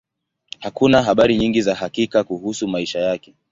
Hakuna habari nyingi za hakika kuhusu maisha yake.